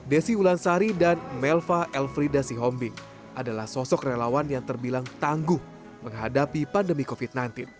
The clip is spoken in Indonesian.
desi ulansari dan melva elfrida sihombing adalah sosok relawan yang terbilang tangguh menghadapi pandemi covid sembilan belas